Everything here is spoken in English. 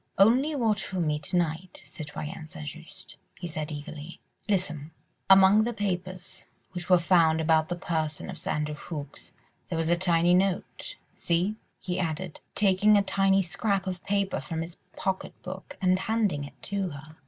"Only watch for me to night, Citoyenne St. Just," he said eagerly. "Listen: among the papers which were found about the person of Sir Andrew Ffoulkes there was a tiny note. See!" he added, taking a tiny scrap of paper from his pocket book and handing it to her.